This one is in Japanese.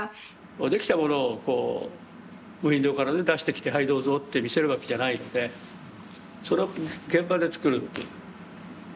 できたものをこうウインドーから出してきてはいどうぞって見せるわけじゃないのでそれを現場でつくるという。